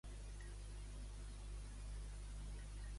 El meu rostidor preferit em pot portar el menjar a casa, m'ho pots dir?